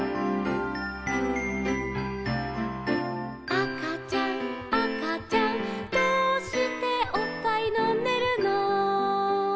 「あかちゃんあかちゃんどうしておっぱいのんでるの」